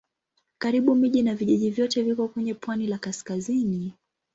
Karibu miji na vijiji vyote viko kwenye pwani la kaskazini.